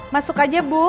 masuk aja bu